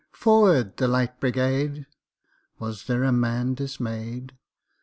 "Forward, the Light Brigade!"Was there a man dismay'd?